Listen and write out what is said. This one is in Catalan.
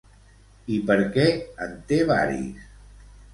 I per què en té varis?